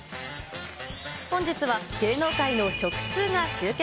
本日は、芸能界の食通が集結。